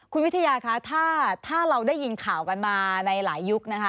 คุณวิทยาคะถ้าเราได้ยินข่าวกันมาในหลายยุคนะคะ